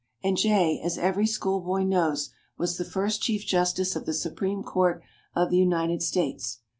And Jay, as every schoolboy knows, was the first Chief Justice of the Supreme Court of the United States.